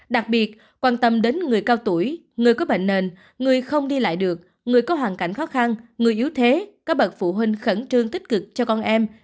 đặc biệt quan tâm đến người cao tuổi người có bệnh nền người không đi lại được người có hoàn cảnh khó khăn người yếu thế các bậc phụ huynh khẩn trương tích cực cho con em